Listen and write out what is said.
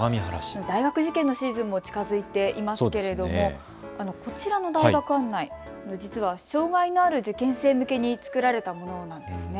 大学受験のシーズンも近づいていますけれども、こちらの大学案内、実は障害のある受験生向けに作られたものなんですね。